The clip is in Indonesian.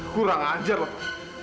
kurang ajar van